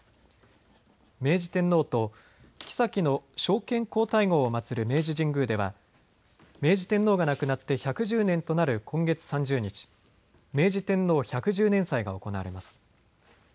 明治天皇ときさきの昭憲皇太后を祭る明治神宮では明治天皇が亡くなって１１０年となる今月３０日、明治天皇百十年祭が行われます。